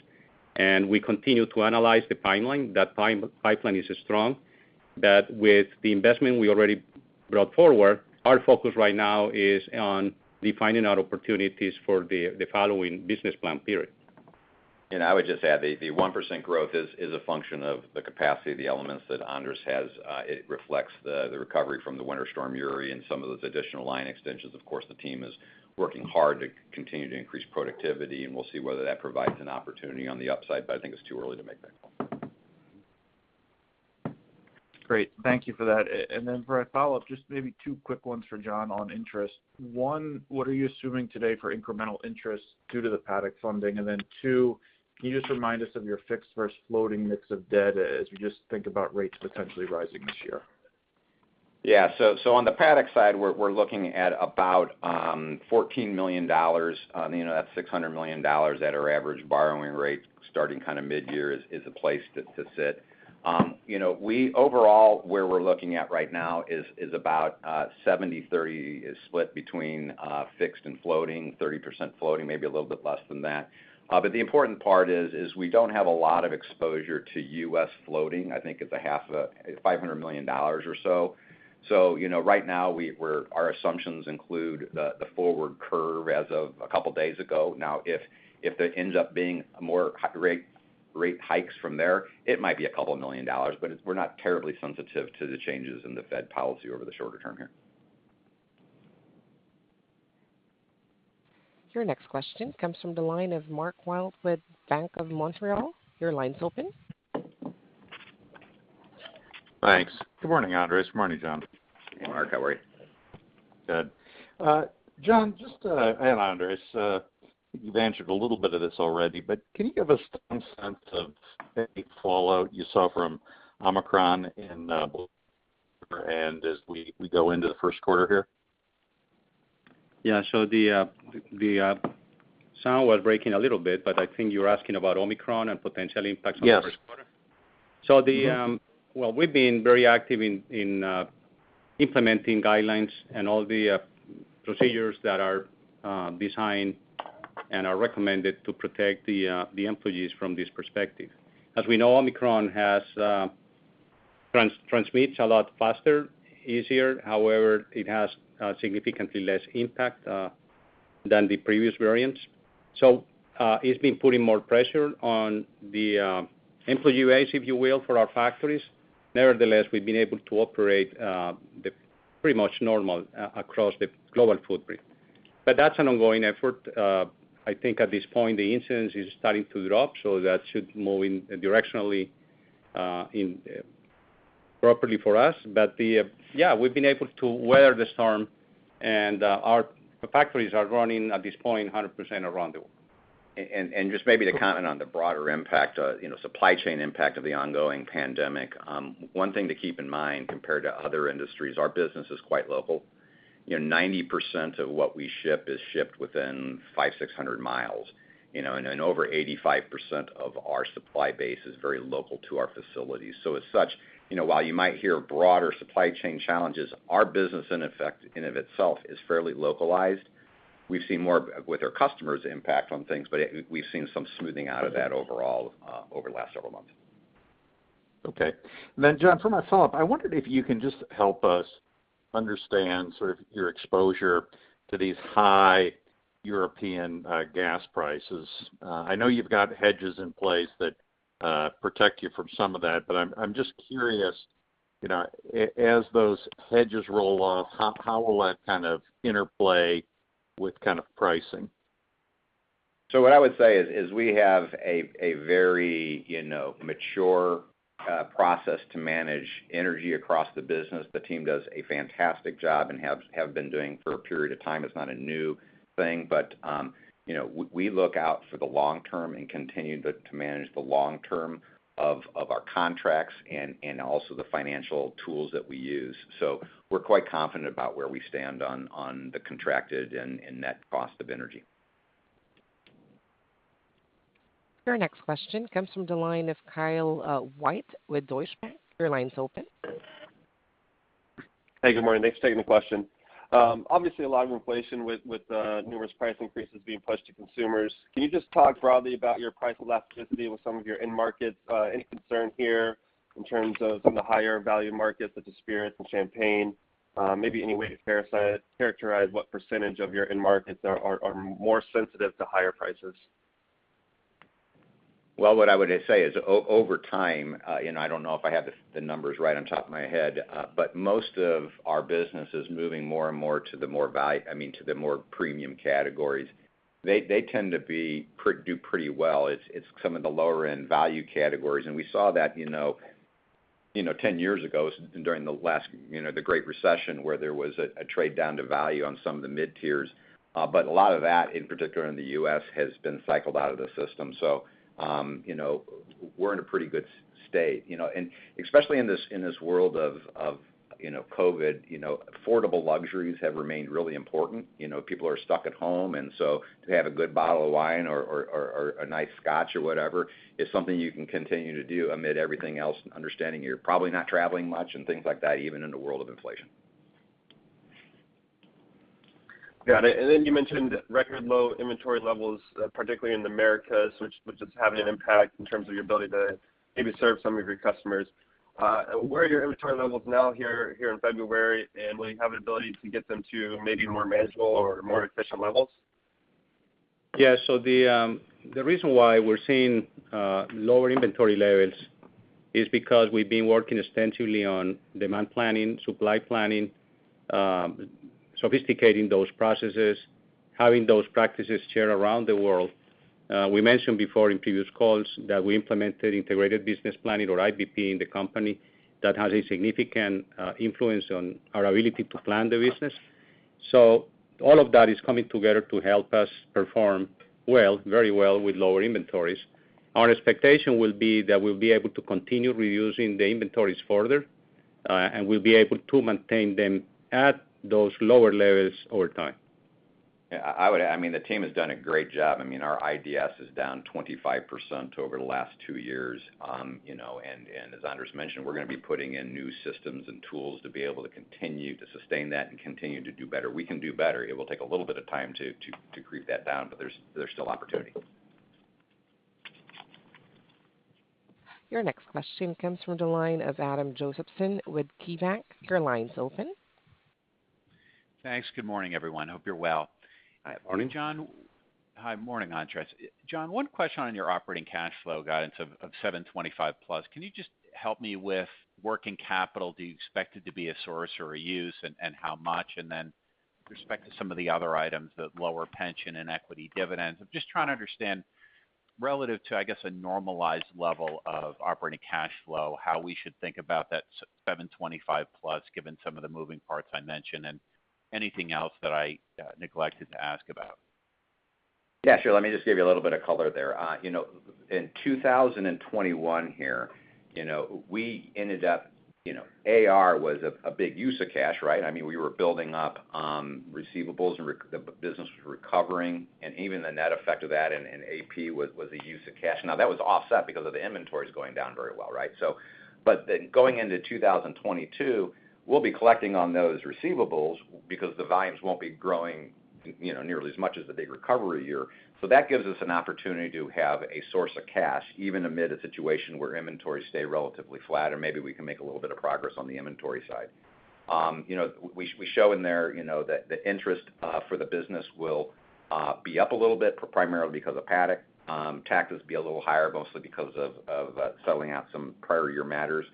and we continue to analyze the pipeline. That pipeline is strong, that with the investment we already brought forward, our focus right now is on defining out opportunities for the following business plan period. I would just add, the 1% growth is a function of the capacity of the elements that Andres has. It reflects the recovery from the Winter Storm Uri and some of those additional line extensions. Of course, the team is working hard to continue to increase productivity, and we'll see whether that provides an opportunity on the upside, but I think it's too early to make that call. Great. Thank you for that. For a follow-up, just maybe two quick ones for John on interest. One, what are you assuming today for incremental interest due to the Paddock funding? And then two, can you just remind us of your fixed versus floating mix of debt as we just think about rates potentially rising this year? On the Paddock side, we're looking at about $14 million. You know, that's $600 million at our average borrowing rate starting kind of midyear is a place to sit. You know, overall, where we're looking at right now is about 70/30 split between fixed and floating, 30% floating, maybe a little bit less than that. But the important part is we don't have a lot of exposure to U.S. floating. I think it's a half of $500 million or so. You know, right now, our assumptions include the forward curve as of a couple days ago. Now, if it ends up being more rate hikes from there, it might be $2 million, but it's. We're not terribly sensitive to the changes in the Fed policy over the shorter term here. Your next question comes from the line of Mark Wilde with Bank of Montreal. Your line's open. Thanks. Good morning, Andres. Good morning, John. Good morning, Mark. How are you? Good. John, just, and Andres, you've answered a little bit of this already, but can you give us some sense of any fallout you saw from Omicron in both quarter and as we go into the first quarter here? The sound was breaking a little bit, but I think you were asking about Omicron and potential impacts on the first quarter. Yes. Mm-hmm. Well, we've been very active in implementing guidelines and all the procedures that are designed and are recommended to protect the employees from this perspective. As we know, Omicron transmits a lot faster, easier. However, it has significantly less impact than the previous variants. It's been putting more pressure on the employee base, if you will, for our factories. Nevertheless, we've been able to operate pretty much normal across the global footprint. That's an ongoing effort. I think at this point, the incidence is starting to drop, so that should move in directionally in properly for us. Yeah, we've been able to weather the storm and our factories are running at this point 100% around the world. Just maybe to comment on the broader impact, you know, supply chain impact of the ongoing pandemic. One thing to keep in mind compared to other industries, our business is quite local. You know, 90% of what we ship is shipped within 500 mi-600 mi, you know. Then over 85% of our supply base is very local to our facilities. As such, you know, while you might hear broader supply chain challenges, our business in effect in and of itself is fairly localized. We've seen more with our customers impact on things, but we've seen some smoothing out of that overall over the last several months. Okay. John, for my follow-up, I wondered if you can just help us understand sort of your exposure to these high European gas prices. I know you've got hedges in place that protect you from some of that, but I'm just curious, you know, as those hedges roll off, how will that kind of interplay with kind of pricing? What I would say is we have a very, you know, mature process to manage energy across the business. The team does a fantastic job and have been doing for a period of time. It's not a new thing. We look out for the long term and continue to manage the long term of our contracts and also the financial tools that we use. We're quite confident about where we stand on the contracted and net cost of energy. Your next question comes from the line of Kyle White with Deutsche Bank. Your line's open. Hey, good morning. Thanks for taking the question. Obviously a lot of inflation with numerous price increases being pushed to consumers. Can you just talk broadly about your price elasticity with some of your end markets? Any concern here in terms of some of the higher value markets such as spirits and champagne? Maybe any way to characterize what percentage of your end markets are more sensitive to higher prices? Well, what I would say is over time, and I don't know if I have the numbers right on top of my head, but most of our business is moving more and more, I mean, to the more premium categories. They tend to do pretty well. It's some of the lower end value categories. We saw that, you know, 10 years ago during the last, you know, the Great Recession, where there was a trade down to value on some of the mid-tiers. But a lot of that, in particular in the U.S., has been cycled out of the system. You know, we're in a pretty good state, you know. Especially in this world of, you know, COVID, affordable luxuries have remained really important. You know, people are stuck at home, and so to have a good bottle of wine or a nice scotch or whatever is something you can continue to do amid everything else, understanding you're probably not traveling much and things like that, even in the world of inflation. Got it. You mentioned record low inventory levels, particularly in the Americas, which is having an impact in terms of your ability to maybe serve some of your customers. Where are your inventory levels now here in February, and will you have the ability to get them to maybe more manageable or more efficient levels? Yeah. The reason why we're seeing lower inventory levels is because we've been working extensively on demand planning, supply planning, sophisticating those processes, having those practices shared around the world. We mentioned before in previous calls that we implemented integrated business planning or IBP in the company that has a significant influence on our ability to plan the business. All of that is coming together to help us perform well, very well with lower inventories. Our expectation will be that we'll be able to continue reducing the inventories further, and we'll be able to maintain them at those lower levels over time. I mean, the team has done a great job. I mean, our IDS is down 25% over the last 2 years. As Andres mentioned, we're gonna be putting in new systems and tools to be able to continue to sustain that and continue to do better. We can do better. It will take a little bit of time to creep that down, but there's still opportunity. Your next question comes from the line of Adam Josephson with KeyBanc. Your line's open. Thanks. Good morning, everyone. Hope you're well. Hi. Morning. Hi. Morning, Andres. John, one question on your operating cash flow guidance of $725+. Can you just help me with working capital? Do you expect it to be a source or a use, and how much? With respect to some of the other items, the lower pension and equity dividends, I'm just trying to understand relative to, I guess, a normalized level of operating cash flow, how we should think about that $725+, given some of the moving parts I mentioned, and anything else that I neglected to ask about. Yeah, sure. Let me just give you a little bit of color there. You know, in 2021 here, you know, we ended up, you know, AR was a big use of cash, right? I mean, we were building up receivables and the business was recovering, and even the net effect of that and AP was a use of cash. Now, that was offset because of the inventories going down very well, right? But then going into 2022, we'll be collecting on those receivables because the volumes won't be growing, you know, nearly as much as the big recovery year. That gives us an opportunity to have a source of cash, even amid a situation where inventories stay relatively flat or maybe we can make a little bit of progress on the inventory side. You know, we show in there, you know, that the interest for the business will be up a little bit, primarily because of Paddock. Taxes will be a little higher, mostly because of settling out some prior year matters.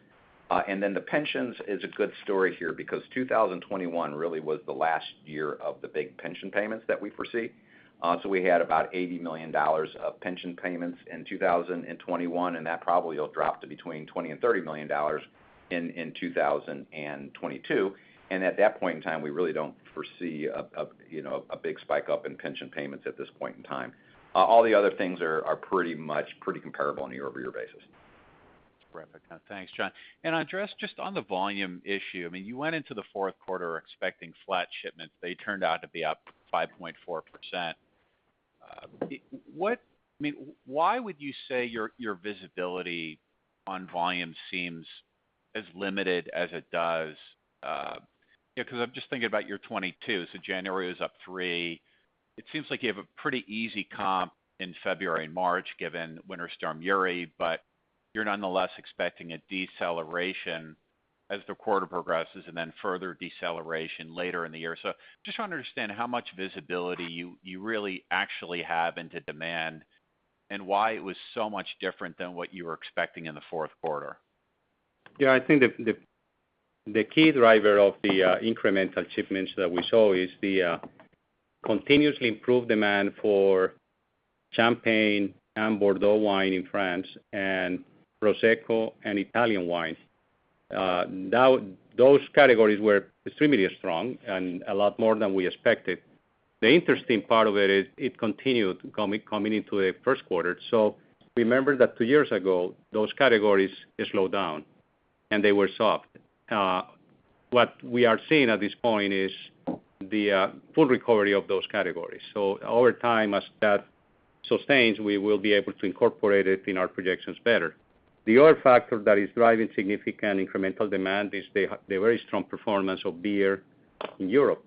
Then the pensions is a good story here because 2021 really was the last year of the big pension payments that we foresee. So we had about $80 million of pension payments in 2021, and that probably will drop to between $20 million and $30 million in 2022. At that point in time, we really don't foresee a you know, a big spike up in pension payments at this point in time. All the other things are pretty much pretty comparable on a year-over-year basis. Terrific. Thanks, John. Andres, just on the volume issue, I mean, you went into the fourth quarter expecting flat shipments. They turned out to be up 5.4%. What—I mean, why would you say your visibility on volume seems as limited as it does? You know, 'cause I'm just thinking about your 2022. January was up 3%. It seems like you have a pretty easy comp in February and March given Winter Storm Uri, but you're nonetheless expecting a deceleration as the quarter progresses and then further deceleration later in the year. Just want to understand how much visibility you really actually have into demand and why it was so much different than what you were expecting in the fourth quarter. Yeah. I think the key driver of the incremental shipments that we saw is the continuously improved demand for champagne and Bordeaux wine in France and Prosecco and Italian wines. Those categories were extremely strong and a lot more than we expected. The interesting part of it is it continued coming into the first quarter. Remember that two years ago, those categories slowed down, and they were soft. What we are seeing at this point is the full recovery of those categories. Over time, as that sustains, we will be able to incorporate it in our projections better. The other factor that is driving significant incremental demand is the very strong performance of beer in Europe,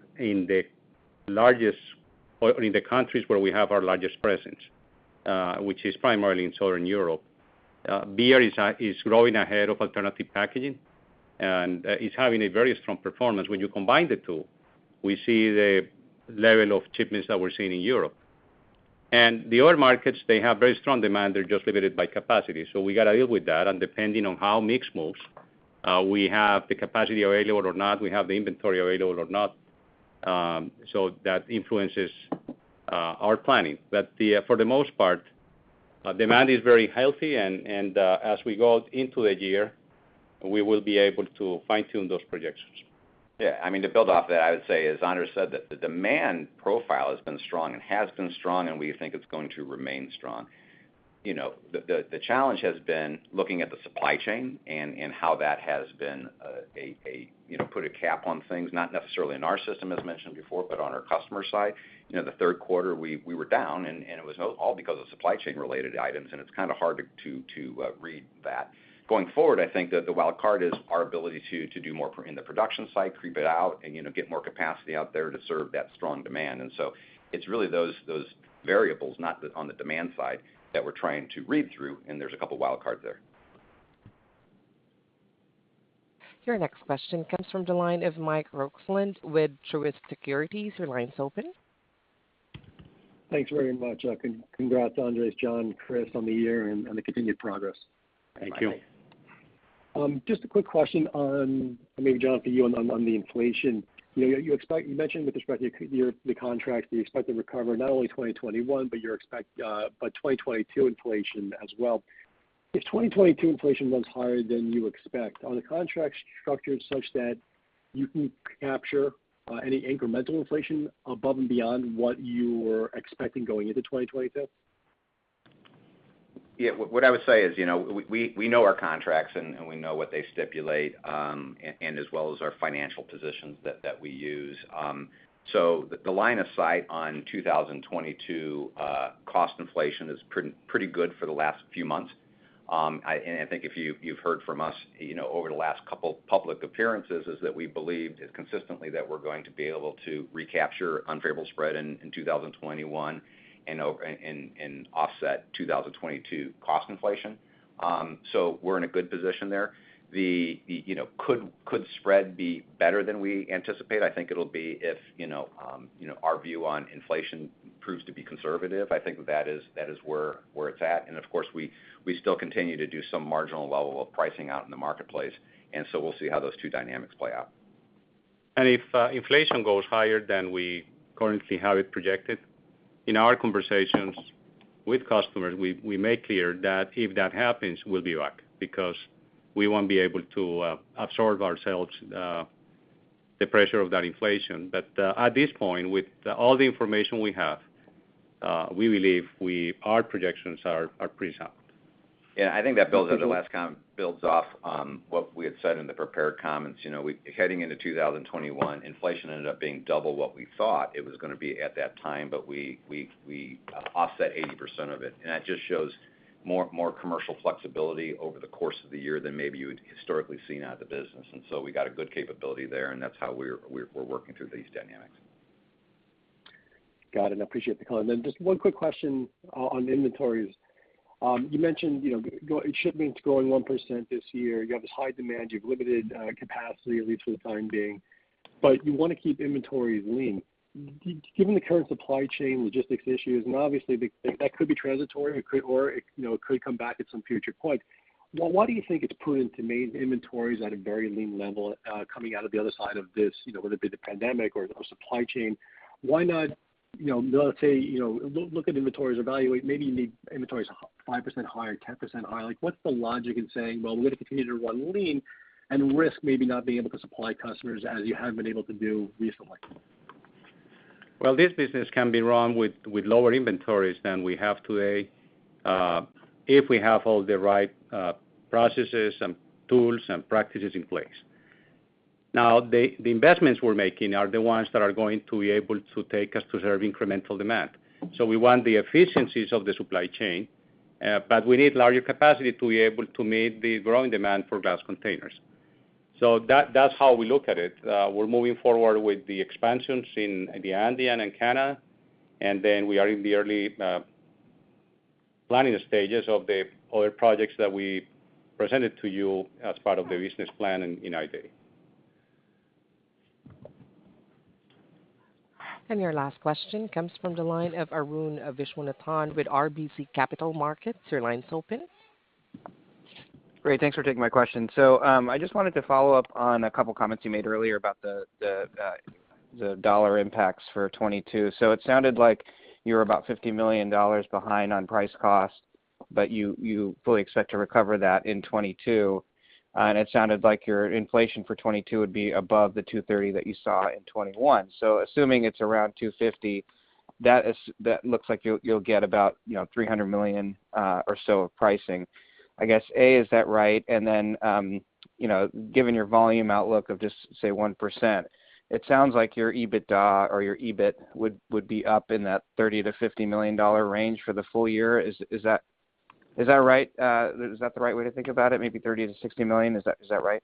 or in the countries where we have our largest presence, which is primarily in Southern Europe. Beer is growing ahead of alternative packaging and is having a very strong performance. When you combine the two, we see the level of shipments that we're seeing in Europe. The other markets have very strong demand. They're just limited by capacity. We gotta deal with that, and depending on how mix moves, we have the capacity available or not, we have the inventory available or not. That influences our planning. For the most part, demand is very healthy and as we go into the year, we will be able to fine-tune those projections. Yeah. I mean, to build off that, I would say, as Andres said, that the demand profile has been strong, and we think it's going to remain strong. You know, the challenge has been looking at the supply chain and how that has been, you know, put a cap on things, not necessarily in our system, as mentioned before, but on our customer side. You know, the third quarter, we were down and it was all because of supply chain related items, and it's kind of hard to read that. Going forward, I think that the wild card is our ability to do more in the production side, creep it out and, you know, get more capacity out there to serve that strong demand. It's really those variables, not on the demand side, that we're trying to read through, and there's a couple of wild cards there. Your next question comes from the line of Michael Roxland with Truist Securities. Your line's open. Thanks very much. Congrats, Andres, John, Chris, on the year and the continued progress. Thank you. Just a quick question on. Maybe, John, to you on the inflation. You know, you expect you mentioned with respect to your, the contracts that you expect to recover not only 2021, but you expect a 2022 inflation as well. If 2022 inflation runs higher than you expect, are the contracts structured such that you can capture any incremental inflation above and beyond what you were expecting going into 2022? Yeah. What I would say is, you know, we know our contracts and we know what they stipulate, and as well as our financial positions that we use. The line of sight on 2022 cost inflation is pretty good for the last few months. I think if you've heard from us, you know, over the last couple public appearances is that we believed consistently that we're going to be able to recapture unfavorable spread in 2021 and offset 2022 cost inflation. We're in a good position there. You know, could spread be better than we anticipate? I think it'll be if you know, our view on inflation proves to be conservative. I think that is where it's at. Of course, we still continue to do some marginal level of pricing out in the marketplace, and so we'll see how those two dynamics play out. If inflation goes higher than we currently have it projected, in our conversations with customers, we make clear that if that happens, we'll be back because we won't be able to absorb the pressure ourselves. At this point, with all the information we have, we believe our projections are pretty sound. Yeah. I think that builds on the last comment, builds off on what we had said in the prepared comments. You know, heading into 2021, inflation ended up being double what we thought it was gonna be at that time, but we offset 80% of it. That just shows more commercial flexibility over the course of the year than maybe you would historically seen out of the business. We got a good capability there, and that's how we're working through these dynamics. Got it. Appreciate the comment. Just one quick question on inventories. You mentioned, you know, shipments growing 1% this year. You have this high demand. You have limited capacity, at least for the time being, but you wanna keep inventories lean. Given the current supply chain logistics issues, and obviously, that could be transitory. It could, you know, it could come back at some future point. Why do you think it's prudent to maintain inventories at a very lean level, coming out of the other side of this, you know, whether it be the pandemic or the supply chain? Why not, you know, let's say, you know, look at inventories, evaluate, maybe you need inventories 5% higher, 10% higher. Like, what's the logic in saying, "Well, we're gonna continue to run lean," and risk maybe not being able to supply customers as you have been able to do recently? Well, this business can be run with lower inventories than we have today, if we have all the right processes and tools and practices in place. Now, the investments we're making are the ones that are going to be able to take us to serve incremental demand. We want the efficiencies of the supply chain, but we need larger capacity to be able to meet the growing demand for glass containers. That's how we look at it. We're moving forward with the expansions in the Andean and Canada, and then we are in the planning stages of the other projects that we presented to you as part of the business plan in our day. Your last question comes from the line of Arun Viswanathan with RBC Capital Markets. Your line's open. Great. Thanks for taking my question. I just wanted to follow up on a couple comments you made earlier about the dollar impacts for 2022. It sounded like you were about $50 million behind on price cost, but you fully expect to recover that in 2022, and it sounded like your inflation for 2022 would be above the $230 million that you saw in 2021. Assuming it's around $250 million, that looks like you'll get about, you know, $300 million or so of pricing. I guess, A, is that right? Given your volume outlook of just, say, 1%, it sounds like your EBITDA or your EBIT would be up in that $30 million-$50 million range for the full year. Is that right? Is that the right way to think about it, maybe $30 million-$60 million? Is that right?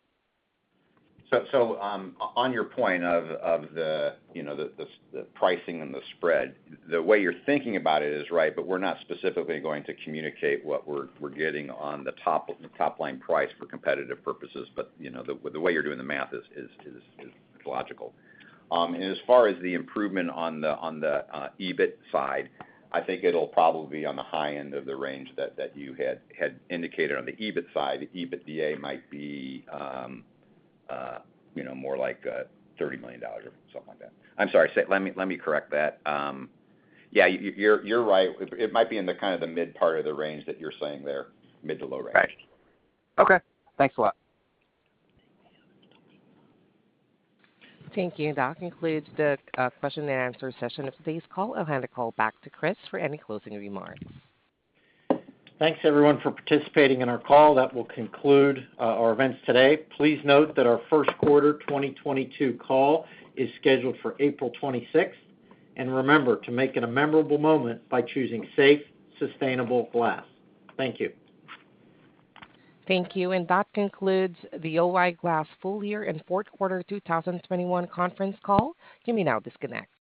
On your point of the, you know, the pricing and the spread, the way you're thinking about it is right, but we're not specifically going to communicate what we're getting on the top line price for competitive purposes. You know, the way you're doing the math is logical. As far as the improvement on the EBIT side, I think it'll probably be on the high end of the range that you had indicated on the EBIT side. The EBITDA might be, you know, more like $30 million or something like that. I'm sorry. Let me correct that. Yeah, you're right. It might be in the kind of the mid part of the range that you're saying there, mid to low range. Okay. Okay. Thanks a lot. Thank you. That concludes the question-and-answer session. At this time, I'll hand the call back to Chris for any closing remarks. Thanks, everyone, for participating in our call. That will conclude our events today. Please note that our first quarter 2022 call is scheduled for April 26th. Remember to make it a memorable moment by choosing safe, sustainable glass. Thank you. Thank you. That concludes the O-I Glass full year and fourth quarter 2021 conference call. You may now disconnect.